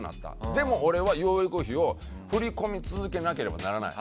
でも、俺は養育費を振り込み続けなければならない。